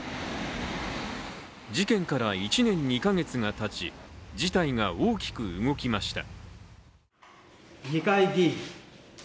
事件から１年２カ月がたち、事態が大きく動きました。